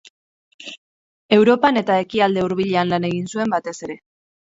Europan eta Ekialde Hurbilean lan egin zuen batez ere.